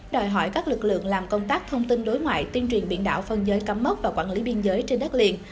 đòi hỏi các lực lượng làm công tác thông tin đối ngoại tuyên truyền biển đảo phân giới cắm mốc và quản lý biên giới trên đất liền